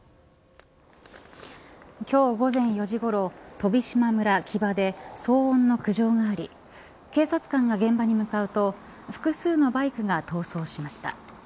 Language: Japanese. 今日午前４時ごろ飛島村木場で騒音の苦情があり警察官が現場に向かうと複数のバイクが逃走しました。